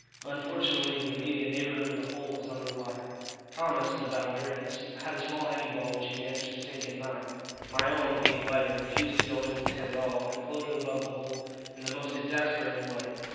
Unfortunately the immediate neighbourhood of the hole was under water. Thomas, the bounder, had a small heavy ball which he managed to sink in nine. My own, being lighter, refused to go into the tin at all, and floated above the hole in the most exasperating way.